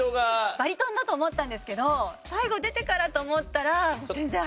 バリトンだと思ったんですけど最後出てからと思ったら全然早かったですね。